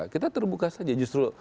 kita terbuka saja justru